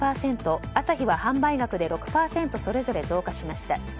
アサヒは販売額で６％それぞれ増加しました。